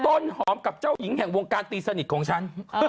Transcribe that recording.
ต้นหอมกับเจ้าหญิงแห่งวงการตีสนิทของฉัน